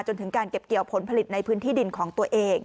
จนถึงการเก็บเกี่ยวผลผลิตในพื้นที่ดินของตัวเอง